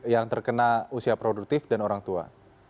yang terkena usia produktif dan orang tua